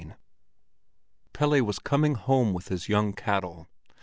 XIII Pelle was coming home with his young cattle.